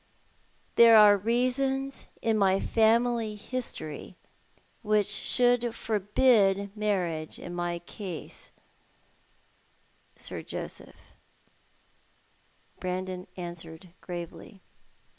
"There are reasons in my family history which should forbid marriage in my case, Sir Joseph," Brandon answered, gravely.